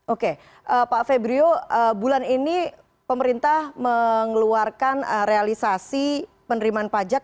oke pak febrio bulan ini pemerintah mengeluarkan realisasi penerimaan pajak